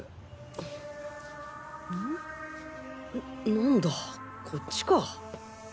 なんだこっちか。